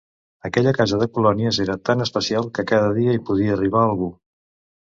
Aquella casa de colònies era tan especial que cada dia hi podia arribar algú.